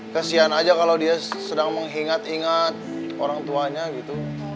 kesian aja kalau dia sedang mengingat ingat orang tuanya gitu